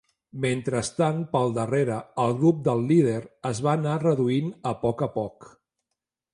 Mentrestant, pel darrere, el grup del líder es va anar reduint a poc a poc.